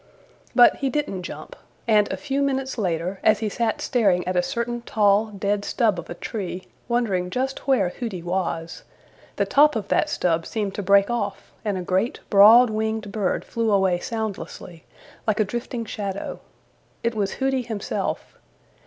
But he didn't jump, and a few minutes later, as he sat staring at a certain tall, dead stub of a tree, wondering just where Hooty was, the top of that stub seemed to break off, and a great, broad winged bird flew away soundlessly like a drifting shadow. It was Hooty himself.